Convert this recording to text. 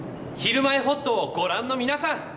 「ひるまえほっと」をご覧の皆さん。